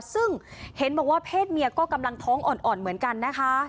ซึ่งเห็นบอกว่าเพศเมียก็กำลังท้องอ่อนเหมือนกันนะคะ